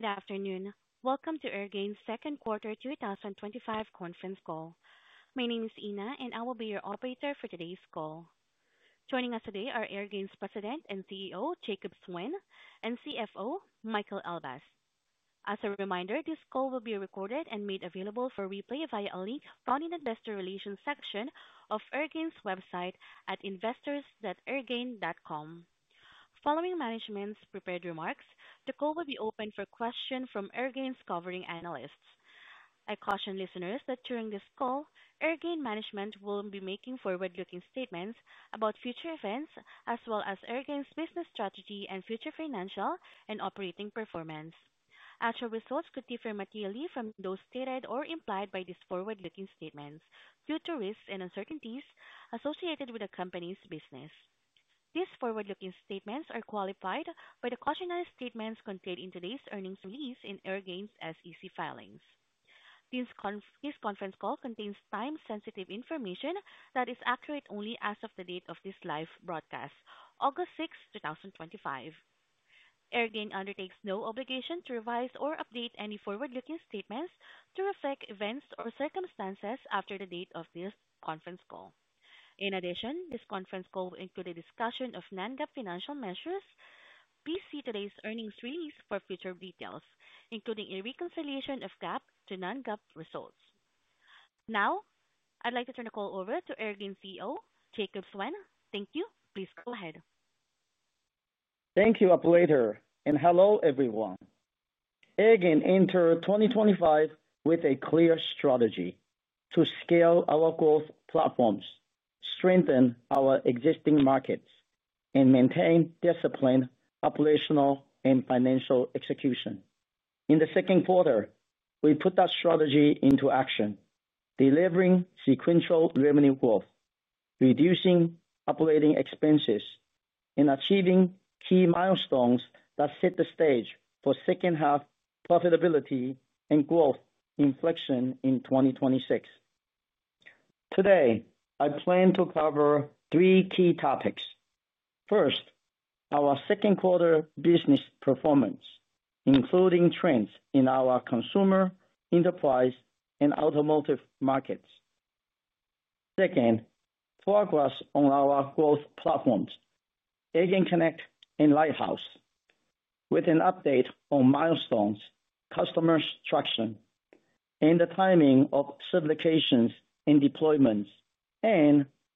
Good afternoon. Welcome to Airgain's Second Quarter 2025 Conference Call. My name is Ina, and I will be your operator for today's call. Joining us today are Airgain's President and CEO, Jacob Suen, and CFO, Michael Elbaz. As a reminder, this call will be recorded and made available for replay via a link found in the Investor Relations section of Airgain's website at investors.airgain.com. Following management's prepared remarks, the call will be open for questions from Airgain's covering analysts. I caution listeners that during this call, Airgain management will be making forward-looking statements about future events, as well as Airgain's business strategy and future financial and operating performance. Actual results could differ materially from those stated or implied by these forward-looking statements, due to risks and uncertainties associated with the company's business. These forward-looking statements are qualified by the cautionary statements contained in today's earnings release in Airgain's SEC filings. This conference call contains time-sensitive information that is accurate only as of the date of this live broadcast, August 6, 2025. Airgain undertakes no obligation to revise or update any forward-looking statements to reflect events or circumstances after the date of this conference call. In addition, this conference call will include a discussion of non-GAAP financial measures. Please see today's earnings release for future details, including a reconciliation of GAAP to non-GAAP results. Now, I'd like to turn the call over to Airgain CEO, Jacob Suen. Thank you. Please go ahead. Thank you, operator, and hello everyone. Airgain entered 2025 with a clear strategy to scale our growth platforms, strengthen our existing markets, and maintain disciplined operational and financial execution. In the second quarter, we put that strategy into action, delivering sequential revenue growth, reducing operating expenses, and achieving key milestones that set the stage for second-half profitability and growth inflection in 2026. Today, I plan to cover three key topics. First, our second-quarter business performance, including trends in our consumer, enterprise, and automotive markets. Second, progress on our growth platforms, AirgainConnect and Lighthouse, with an update on milestones, customer traction, and the timing of certifications and deployments.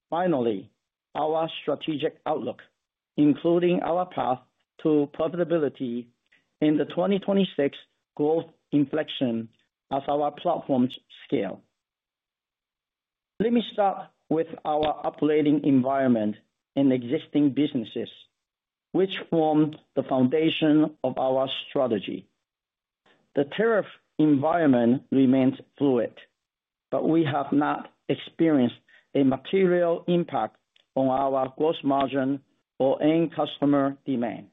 Finally, our strategic outlook, including our path to profitability in the 2026 growth inflection as our platforms scale. Let me start with our operating environment and existing businesses, which form the foundation of our strategy. The tariff environment remains fluid, but we have not experienced a material impact on our gross margins or end customer demand.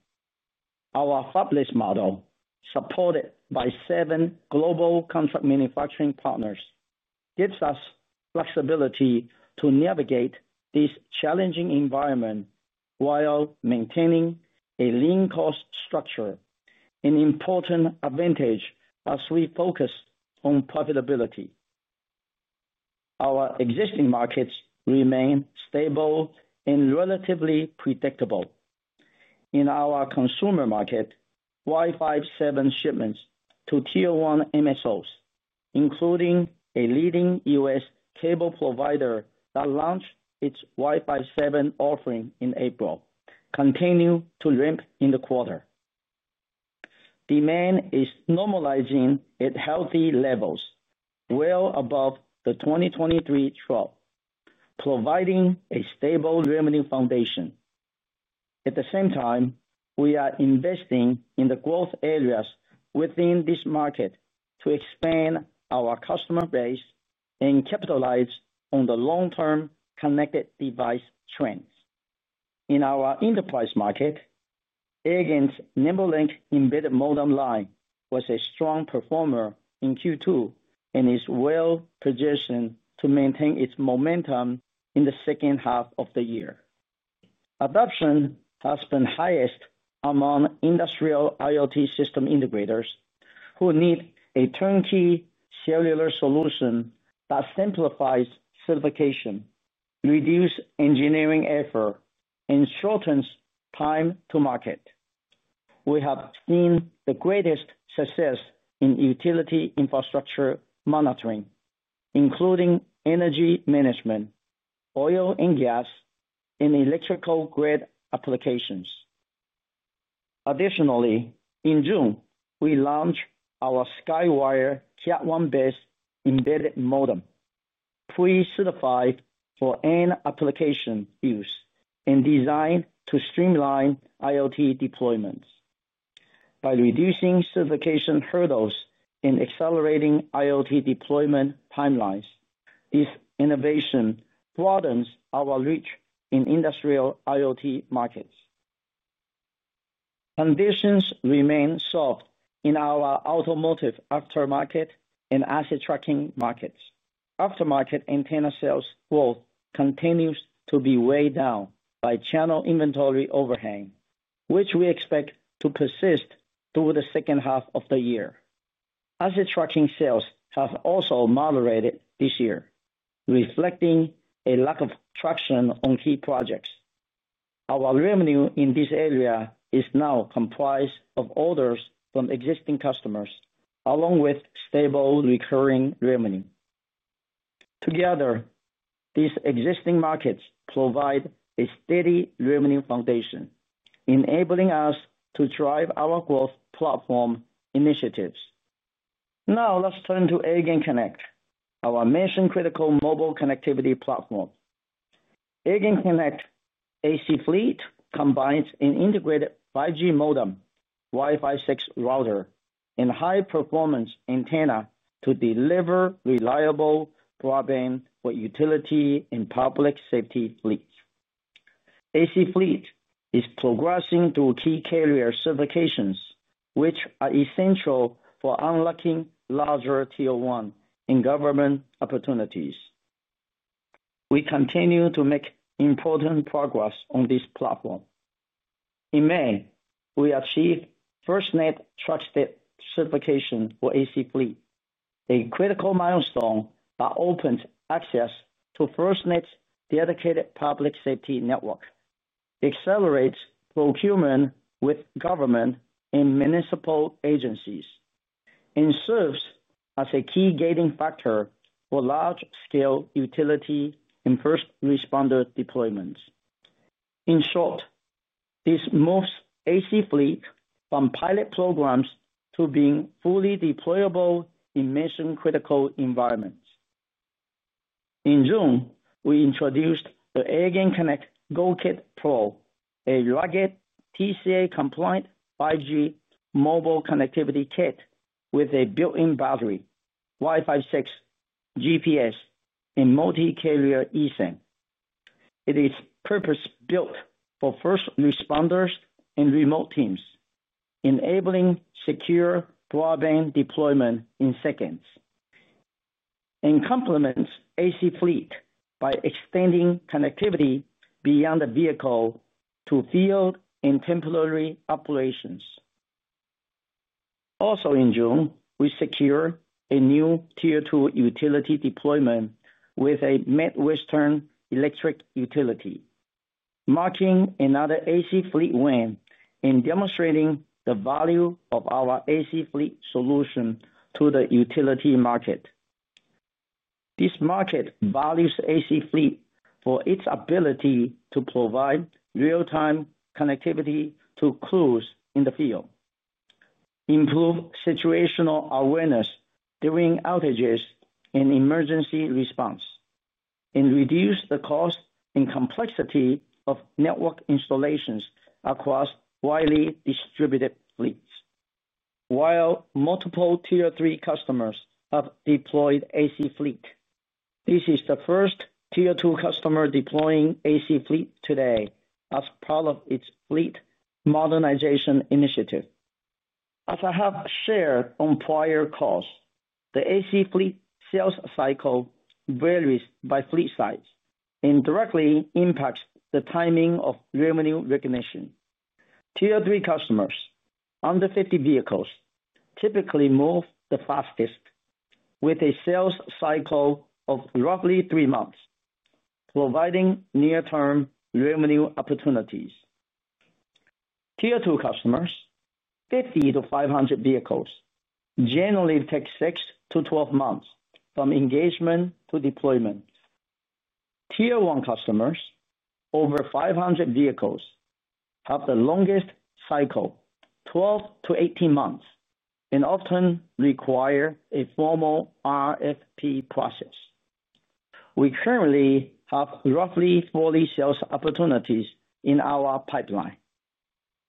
Our hubless manufacturing model, supported by seven global contract manufacturing partners, gives us flexibility to navigate this challenging environment while maintaining a lean cost structure, an important advantage as we focus on profitability. Our existing markets remain stable and relatively predictable. In our consumer market, Wi-Fi 7 shipments to Tier 1 MSOs, including a leading U.S. cable provider that launched its Wi-Fi 7 offering in April, continued to limp in the quarter. Demand is normalizing at healthy levels, well above the 2023 trough, providing a stable revenue foundation. At the same time, we are investing in the growth areas within this market to expand our customer base and capitalize on the long-term connected device trends. In our enterprise market, Airgain's NimbleLink embedded modem line was a strong performer in Q2 and is well-positioned to maintain its momentum in the second half of the year. Adoption has been highest among industrial IoT system integrators who need a turnkey cellular solution that simplifies certification, reduces engineering effort, and shortens time to market. We have seen the greatest success in utility infrastructure monitoring, including energy management, oil and gas, and electrical grid applications. Additionally, in June, we launched our SkyWire Kiat-1B embedded modem, pre-certified for end application use and designed to streamline IoT deployments. By reducing certification hurdles and accelerating IoT deployment timelines, this innovation broadens our reach in industrial IoT markets. Conditions remain soft in our automotive aftermarket and asset tracking markets. Aftermarket antenna sales growth continues to be weighed down by channel inventory overhang, which we expect to persist through the second half of the year. Asset tracking sales have also moderated this year, reflecting a lack of traction on key projects. Our revenue in this area is now comprised of orders from existing customers, along with stable recurring revenue. Together, these existing markets provide a steady revenue foundation, enabling us to drive our growth platform initiatives. Now, let's turn to AirgainConnect, our mission-critical mobile connectivity platform. AirgainConnect AC Fleet combines an integrated 5G modem, Wi-Fi 6 router, and high-performance antenna to deliver reliable broadband for utility and public safety fleets. AC Fleet is progressing through key carrier certifications, which are essential for unlocking larger Tier 1 and government opportunities. We continue to make important progress on this platform. In May, we achieved FirstNet Trusted Certification for AC Fleet, a critical milestone that opens access to FirstNet's dedicated public safety network, accelerates procurement with government and municipal agencies, and serves as a key gating factor for large-scale utility and first responder deployments. In short, this moves AC Fleet from pilot programs to being fully deployable in mission-critical environments. In June, we introduced the AirgainConnect GoKit Pro, a rugged TCA-compliant 5G mobile connectivity kit with a built-in battery, Wi-Fi 6, GPS, and multi-carrier eSIM. It is purpose-built for first responders and remote teams, enabling secure broadband deployment in seconds, and complements AC Fleet by extending connectivity beyond the vehicle to field and temporary operations. Also in June, we secured a new Tier 2 utility deployment with a Midwestern Electric Utility, marking another AC Fleet win and demonstrating the value of our AC Fleet solution to the utility market. This market values AC Fleet for its ability to provide real-time connectivity to crews in the field, improve situational awareness during outages and emergency response, and reduce the cost and complexity of network installations across widely distributed fleets. While multiple Tier 3 customers have deployed AC Fleet, this is the first Tier 2 customer deploying AC Fleet today as part of its fleet modernization initiative. As I have shared on prior calls, the AC Fleet sales cycle varies by fleet size and directly impacts the timing of revenue recognition. Tier 3 customers, under 50 vehicles, typically move the fastest, with a sales cycle of roughly three months, providing near-term revenue opportunities. Tier 2 customers, 50-500 vehicles, generally take 6-12 months from engagement to deployment. Tier 1 customers, over 500 vehicles, have the longest cycle, 12-18 months, and often require a formal RFP process. We currently have roughly 40 sales opportunities in our pipeline,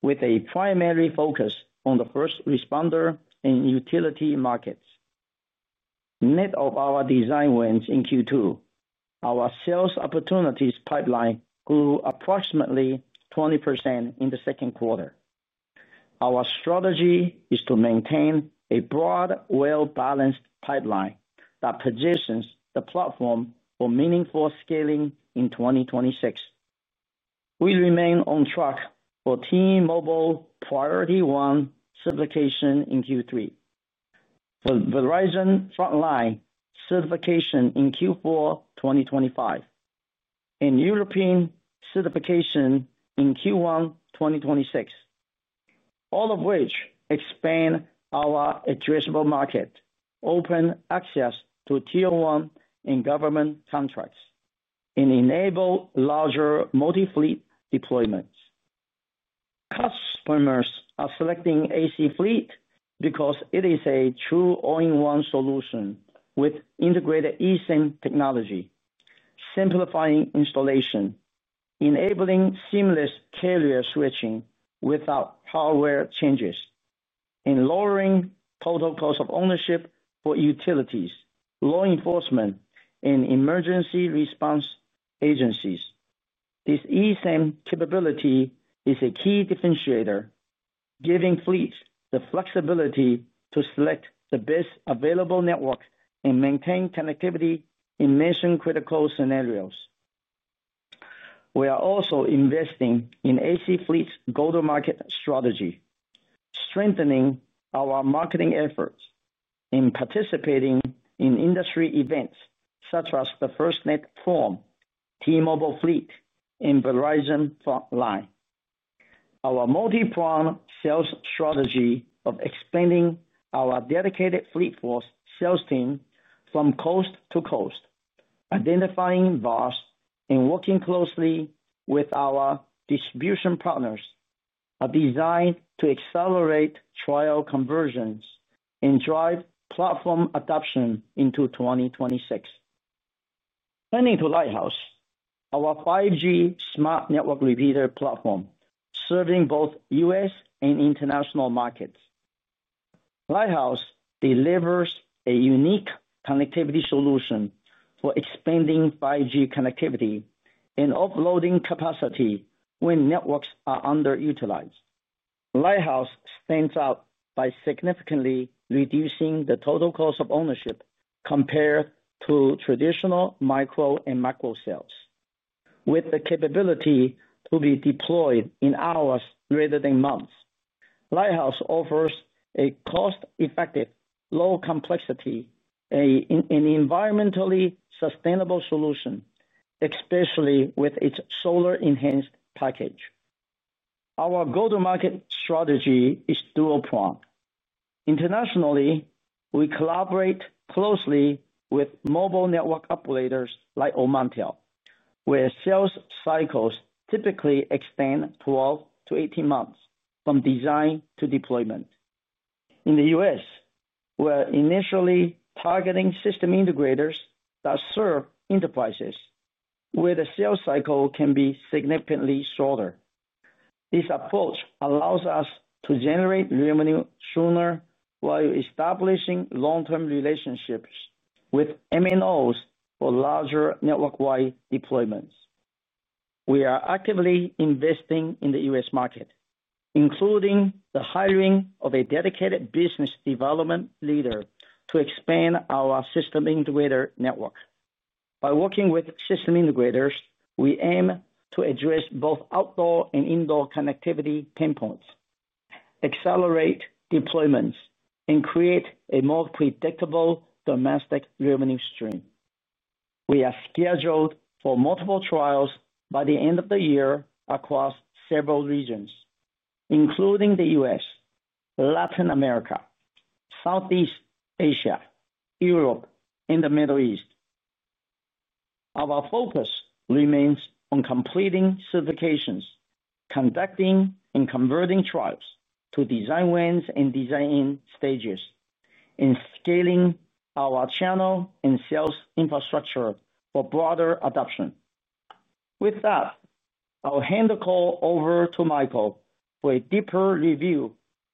with a primary focus on the first responder and utility markets. In the midst of our design wins in Q2, our sales opportunities pipeline grew approximately 20% in the second quarter. Our strategy is to maintain a broad, well-balanced pipeline that positions the platform for meaningful scaling in 2026. We remain on track for T-Mobile Priority 1 certification in Q3, for Verizon Frontline certification in Q4 2025, and European certification in Q1 2026, all of which expand our addressable market, open access to Tier 1 and government contracts, and enable larger multi-fleet deployments. Customers are selecting AC Fleet because it is a true all-in-one solution with integrated eSIM technology, simplifying installation, enabling seamless carrier switching without hardware changes, and lowering total cost of ownership for utilities, law enforcement, and emergency response agencies. This eSIM capability is a key differentiator, giving fleets the flexibility to select the best available network and maintain connectivity in mission-critical scenarios. We are also investing in AC Fleet's go-to-market strategy, strengthening our marketing efforts and participating in industry events such as the FirstNet Forum T-Mobile Fleet and Verizon Frontline. Our multi-pronged sales strategy of expanding our dedicated fleet force sales team from coast to coast, identifying buyers, and working closely with our distribution partners is designed to accelerate trial conversions and drive platform adoption into 2026. Turning to Lighthouse, our 5G smart network repeater platform, serving both U.S. and international markets. Lighthouse delivers a unique connectivity solution for expanding 5G connectivity and offloading capacity when networks are underutilized. Lighthouse stands out by significantly reducing the total cost of ownership compared to traditional micro and macro cells. With the capability to be deployed in hours rather than months, Lighthouse offers a cost-effective, low-complexity, and an environmentally sustainable solution, especially with its solar-enhanced package. Our go-to-market strategy is dual-pronged. Internationally, we collaborate closely with mobile network operators like Omantel, where sales cycles typically extend 12-18 months from design to deployment. In the U.S., we're initially targeting system integrators that serve enterprises, where the sales cycle can be significantly shorter. This approach allows us to generate revenue sooner while establishing long-term relationships with MNOs for larger network-wide deployments. We are actively investing in the U.S. market, including the hiring of a dedicated business development leader to expand our system integrator network. By working with system integrators, we aim to address both outdoor and indoor connectivity pain points, accelerate deployments, and create a more predictable domestic revenue stream. We are scheduled for multiple trials by the end of the year across several regions, including the U.S., Latin America, Southeast Asia, Europe, and the Middle East. Our focus remains on completing certifications, conducting and converting trials to design wins and design-in stages, and scaling our channel and sales infrastructure for broader adoption. With that, I'll hand the call over to Michael for a deeper review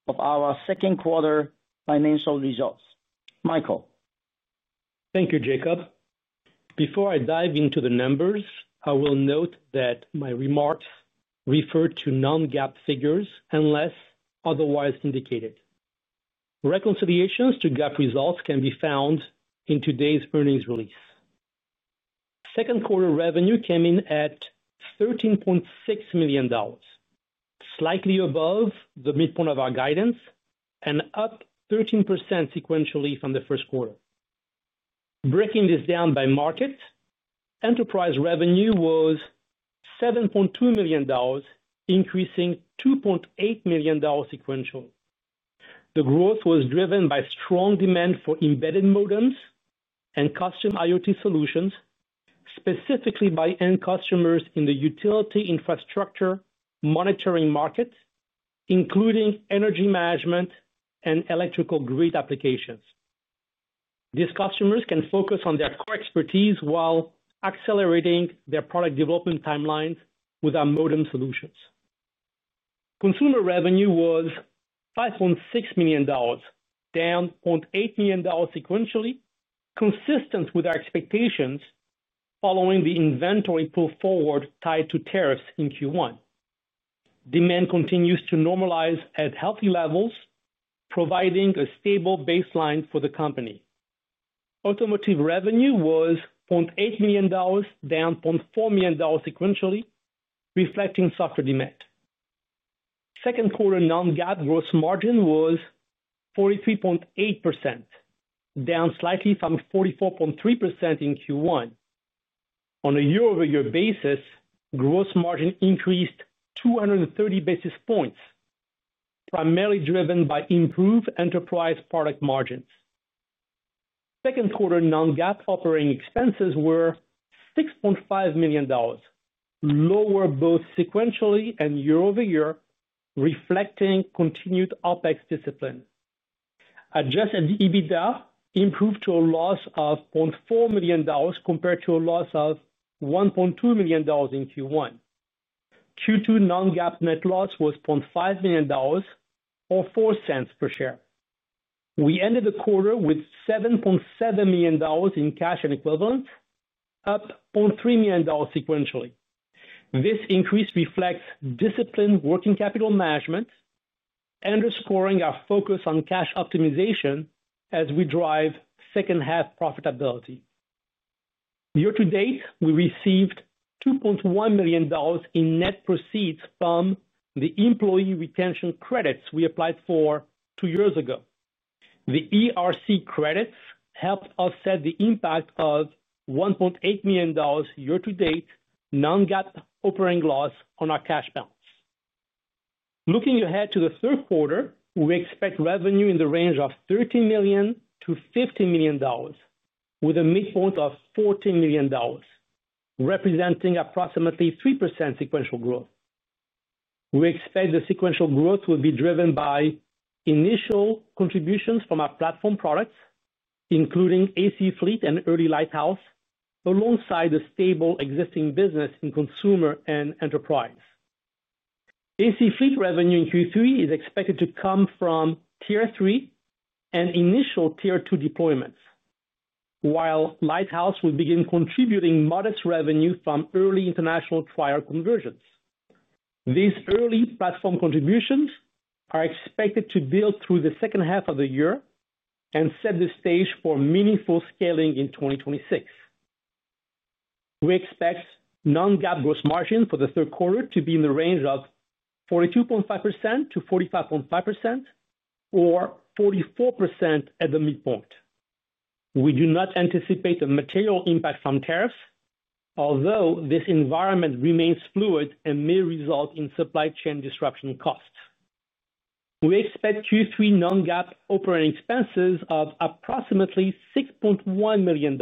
of our second quarter financial results. Michael. Thank you, Jacob. Before I dive into the numbers, I will note that my remarks refer to non-GAAP figures unless otherwise indicated. Reconciliations to GAAP results can be found in today's earnings release. Second quarter revenue came in at $13.6 million, slightly above the midpoint of our guidance and up 13% sequentially from the first quarter. Breaking this down by market, enterprise revenue was $7.2 million, increasing $2.8 million sequentially. The growth was driven by strong demand for embedded modems and custom IoT solutions, specifically by end customers in the utility infrastructure monitoring market, including energy management and electrical grid applications. These customers can focus on their core expertise while accelerating their product development timelines with our modem solutions. Consumer revenue was $5.6 million, down $0.8 million sequentially, consistent with our expectations following the inventory pull forward tied to tariffs in Q1. Demand continues to normalize at healthy levels, providing a stable baseline for the company. Automotive revenue was $0.8 million, down $0.4 million sequentially, reflecting softer demand. Second quarter non-GAAP gross margin was 43.8%, down slightly from 44.3% in Q1. On a year-over-year basis, gross margin increased 230 basis points, primarily driven by improved enterprise product margins. Second quarter non-GAAP operating expenses were $6.5 million, lower both sequentially and year-over-year, reflecting continued OpEx discipline. Adjusted EBITDA improved to a loss of $0.4 million compared to a loss of $1.2 million in Q1. Q2 non-GAAP net loss was $0.5 million, or $0.04 per share. We ended the quarter with $7.7 million in cash and equivalents, up $0.3 million sequentially. This increase reflects disciplined working capital management, underscoring our focus on cash optimization as we drive second-half profitability. Year to date, we received $2.1 million in net proceeds from the employee retention credits we applied for two years ago. The ERC credits helped offset the impact of $1.8 million year to date non-GAAP operating loss on our cash balance. Looking ahead to the third quarter, we expect revenue in the range of $13 million-$15 million, with a midpoint of $14 million, representing approximately 3% sequential growth. We expect the sequential growth will be driven by initial contributions from our platform products, including AC Fleet and Early Lighthouse, alongside the stable existing business in consumer and enterprise. AC Fleet revenue in Q3 is expected to come from Tier 3 and initial Tier 2 deployments, while Lighthouse will begin contributing modest revenue from early international trial conversions. These early platform contributions are expected to build through the second half of the year and set the stage for meaningful scaling in 2026. We expect non-GAAP gross margin for the third quarter to be in the range of 42.5%-45.5%, or 44% at the midpoint. We do not anticipate a material impact from tariffs, although this environment remains fluid and may result in supply chain disruption costs. We expect Q3 non-GAAP operating expenses of approximately $6.1 million,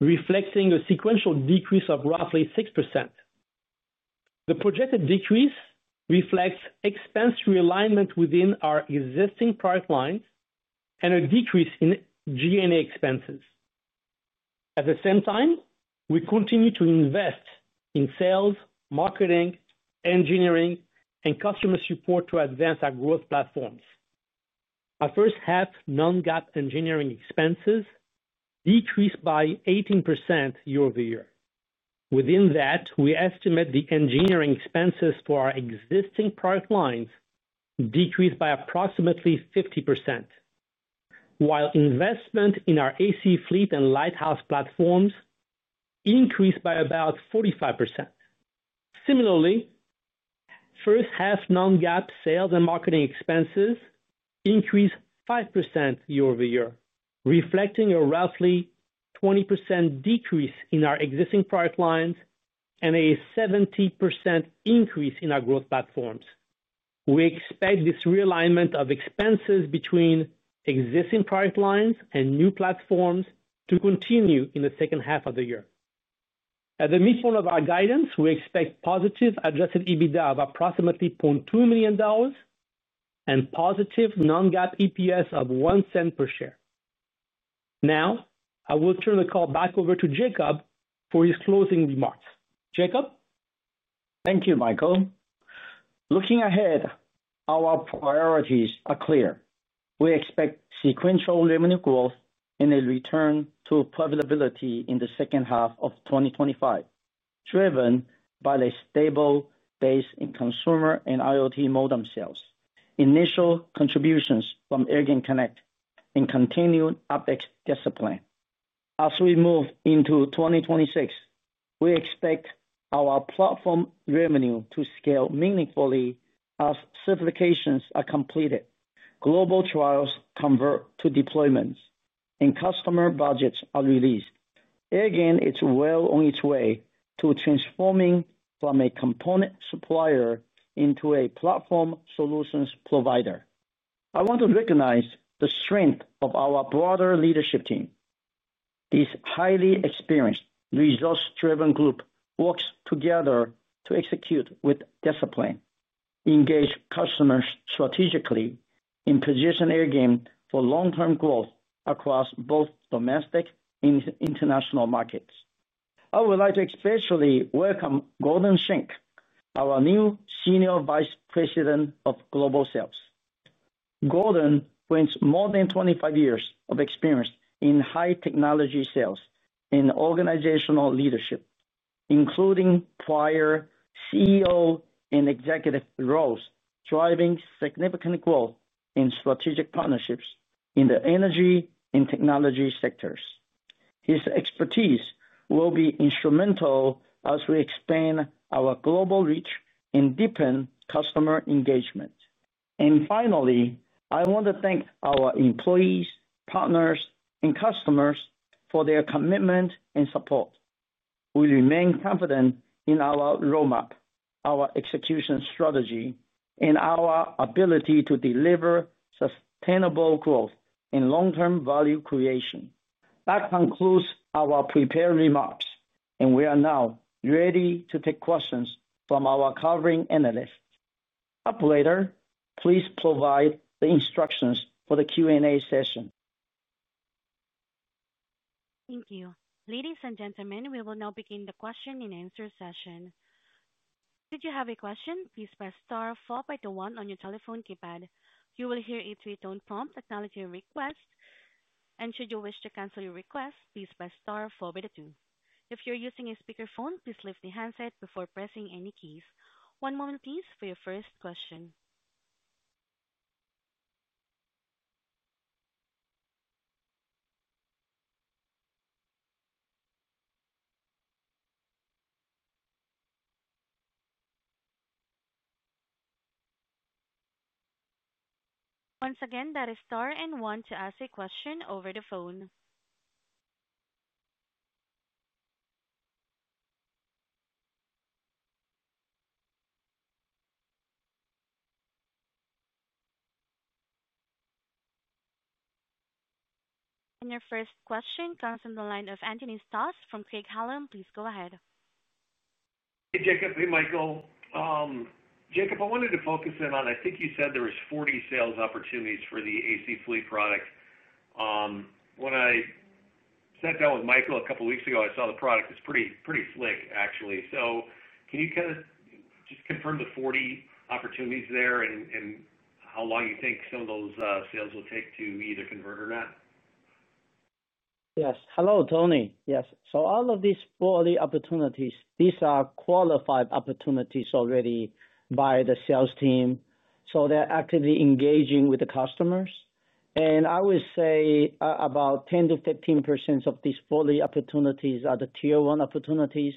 reflecting a sequential decrease of roughly 6%. The projected decrease reflects expense realignment within our existing product lines and a decrease in G&A expenses. At the same time, we continue to invest in sales, marketing, engineering, and customer support to advance our growth platforms. Our first-half non-GAAP engineering expenses decreased by 18% year over year. Within that, we estimate the engineering expenses for our existing product lines decreased by approximately 50%, while investment in our AC Fleet and Lighthouse platforms increased by about 45%. Similarly, first-half non-GAAP sales and marketing expenses increased 5% year over year, reflecting a roughly 20% decrease in our existing product lines and a 70% increase in our growth platforms. We expect this realignment of expenses between existing product lines and new platforms to continue in the second half of the year. At the midpoint of our guidance, we expect positive adjusted EBITDA of approximately $0.2 million and positive non-GAAP EPS of $0.01 per share. Now, I will turn the call back over to Jacob for his closing remarks. Jacob? Thank you, Michael. Looking ahead, our priorities are clear. We expect sequential revenue growth and a return to profitability in the second half of 2025, driven by a stable base in consumer and IoT modem sales, initial contributions from AirgainConnect, and continued update discipline. As we move into 2026, we expect our platform revenue to scale meaningfully as certifications are completed, global trials convert to deployments, and customer budgets are released. Airgain is well on its way to transforming from a component supplier into a platform solutions provider. I want to recognize the strength of our broader leadership team. This highly experienced, resource-driven group works together to execute with discipline, engage customers strategically, and position Airgain for long-term growth across both domestic and international markets. I would like to especially welcome Gordon Schenk, our new Senior Vice President of Global Sales. Gordon brings more than 25 years of experience in high-technology sales and organizational leadership, including prior CEO and executive roles, driving significant growth in strategic partnerships in the energy and technology sectors. His expertise will be instrumental as we expand our global reach and deepen customer engagement. I want to thank our employees, partners, and customers for their commitment and support. We remain confident in our roadmap, our execution strategy, and our ability to deliver sustainable growth and long-term value creation. That concludes our prepared remarks, and we are now ready to take questions from our covering analysts. Operator, please provide the instructions for the Q&A session. Thank you. Ladies and gentlemen, we will now begin the question and answer session. Should you have a question, please press star followed by the one on your telephone keypad. You will hear a three-tone prompt acknowledging your request, and should you wish to cancel your request, please press star followed by the two. If you're using a speakerphone, please lift the handset before pressing any keys. One moment, please, for your first question. Once again, that is star and one to ask a question over the phone. Your first question comes from the line of Anthony Stoss from Craig-Hallum. Please go ahead. Hey, Jacob. Hey, Michael. Jacob, I wanted to focus in on, I think you said there were 40 sales opportunities for the AC Fleet product. When I sat down with Michael a couple of weeks ago, I saw the product is pretty, pretty slick, actually. Can you kind of just confirm the 40 opportunities there and how long you think some of those sales will take to either convert or not? Yes. Hello, Tony. Yes. All of these 40 opportunities are qualified opportunities already by the sales team, so they're actively engaging with the customers. I would say about 10%-15% of these 40 opportunities are the Tier 1 opportunities.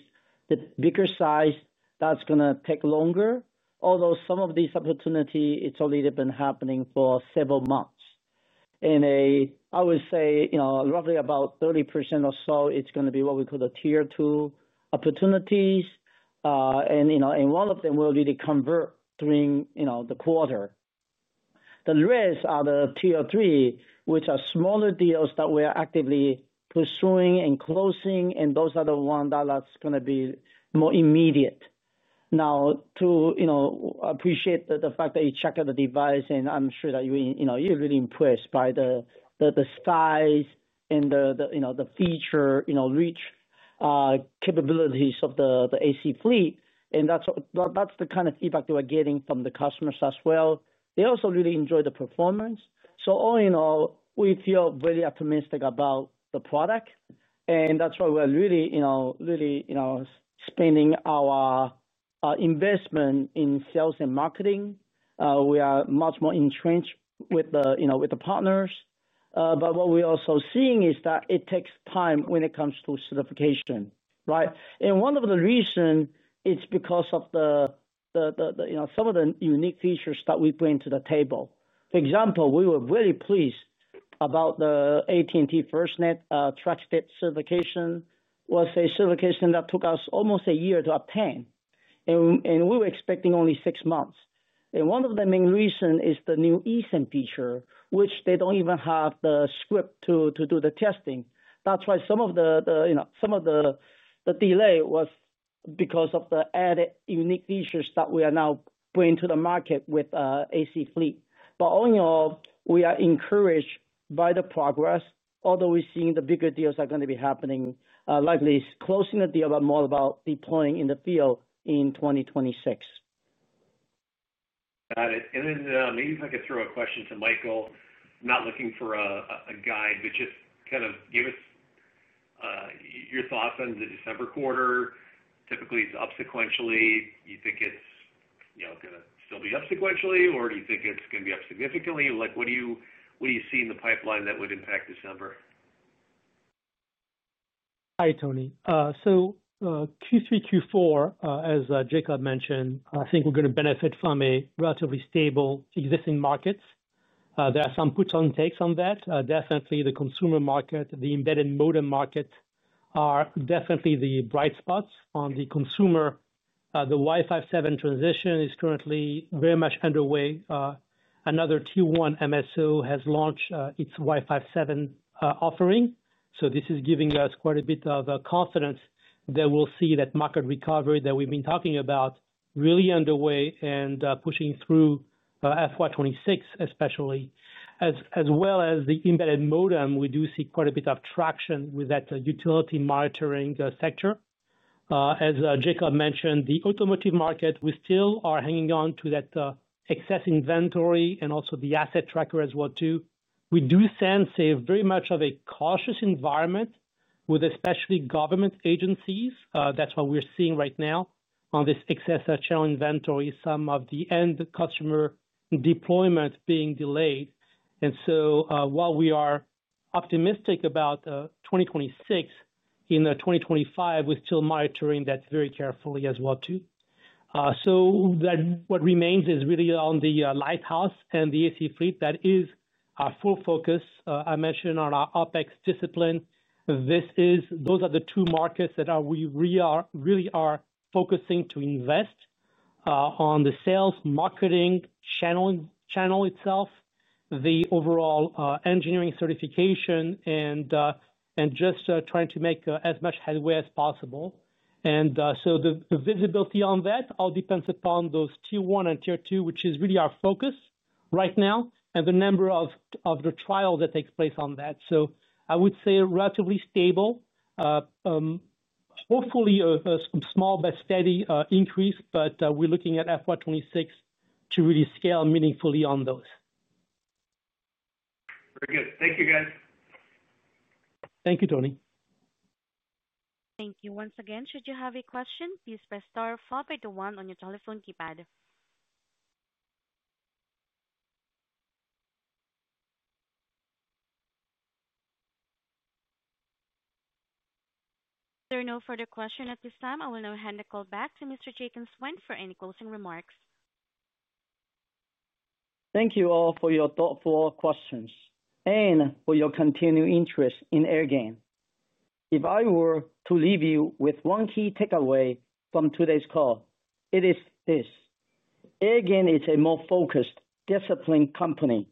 The bigger size is going to take longer, although some of these opportunities have already been happening for several months. I would say roughly about 30% or so are what we call the Tier 2 opportunities, and one of them will be the convert during the quarter. The rest are the Tier 3, which are smaller deals that we are actively pursuing and closing, and those are the ones that are going to be more immediate. Now, I appreciate the fact that you check out the device, and I'm sure that you're really impressed by the size and the feature-rich capabilities of the AC Fleet. That's the kind of feedback that we're getting from the customers as well. They also really enjoy the performance. All in all, we feel really optimistic about the product, and that's why we're really spending our investment in sales and marketing. We are much more entrenched with the partners. What we're also seeing is that it takes time when it comes to certification, right? One of the reasons is because of some of the unique features that we bring to the table. For example, we were really pleased about the AT&T FirstNet Trusted Certification. It was a certification that took us almost a year to obtain, and we were expecting only six months. One of the main reasons is the new eSIM feature, which they don't even have the script to do the testing. That's why some of the delay was because of the added unique features that we are now bringing to the market with AC Fleet. All in all, we are encouraged by the progress, although we're seeing the bigger deals are going to be happening, likely closing the deal, but more about deploying in the field in 2026. Got it. Maybe if I could throw a question to Michael, I'm not looking for a guide, but just kind of give us your thoughts on the December quarter. Typically, it's up sequentially. Do you think it's going to still be up sequentially, or do you think it's going to be up significantly? What do you see in the pipeline that would impact December? Hi, Tony. Q3, Q4, as Jacob mentioned, I think we're going to benefit from a relatively stable existing market. There are some puts and takes on that. Definitely, the consumer market, the embedded modem market are definitely the bright spots on the consumer. The Wi-Fi 7 transition is currently very much underway. Another Tier 1 MSO has launched its Wi-Fi 7 offering. This is giving us quite a bit of confidence that we'll see that market recovery that we've been talking about really underway and pushing through FY 2026, especially. As well as the embedded modem, we do see quite a bit of traction with that utility monitoring sector. As Jacob mentioned, the automotive market, we still are hanging on to that excess inventory and also the asset tracker as well, too. We do sense very much of a cautious environment with especially government agencies. That's what we're seeing right now on this excess channel inventory, some of the end customer deployment being delayed. While we are optimistic about 2026, in 2025, we're still monitoring that very carefully as well, too. What remains is really on the Lighthouse and the AC Fleet. That is our full focus. I mentioned on our OpEx discipline. Those are the two markets that we really are focusing to invest on the sales marketing channel itself, the overall engineering certification, and just trying to make as much headway as possible. The visibility on that all depends upon those Tier 1 and Tier 2, which is really our focus right now, and the number of the trials that take place on that. I would say a relatively stable, hopefully a small but steady increase, but we're looking at FY 2026 to really scale meaningfully on those. Very good. Thank you, guys. Thank you, Tony. Thank you once again. Should you have a question, please press star followed by the one on your telephone keypad. There are no further questions at this time. I will now hand the call back to Mr. Jacob Suen for any closing remarks. Thank you all for your thoughtful questions and for your continued interest in Airgain. If I were to leave you with one key takeaway from today's call, it is this: Airgain is a more focused, disciplined company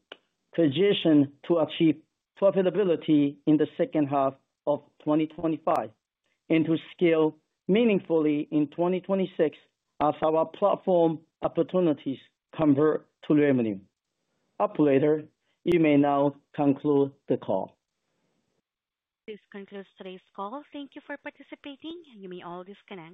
positioned to achieve profitability in the second half of 2025 and to scale meaningfully in 2026 as our platform opportunities convert to revenue. Operator, you may now conclude the call. This concludes today's call. Thank you for participating. You may all disconnect.